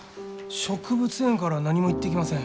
植物園からは何も言ってきません。